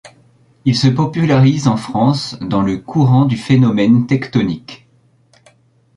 Il se popularise en France dans le courant du phénomène tecktonik.